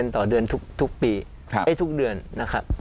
ต่อเดือนทุกปีได้ทุกเดือนนะครับ